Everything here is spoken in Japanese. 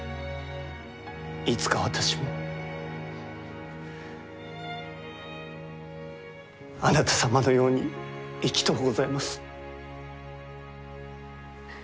いつか私もあなた様のように生きとうございます。